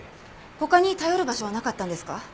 他に頼る場所はなかったんですか？